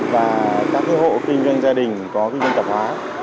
và các hộ kinh doanh gia đình có kinh doanh tập hóa